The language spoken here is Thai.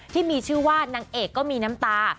ที่มีชื่อว่านางเอกก็มีน้ำตา